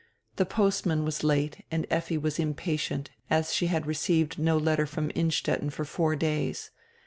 The postman was late and Effi was impatient, as she had received no letter from Innstetten for four days.